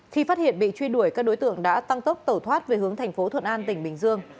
khi phát hiện bị truy đuổi các đối tượng đã tăng tốc tẩu thoát về hướng thành phố thuận an tỉnh bình dương